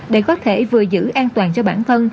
để có thể vừa giữ an toàn cho bản thân